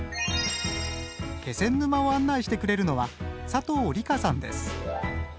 気仙沼を案内してくれるのは佐藤りかさんです。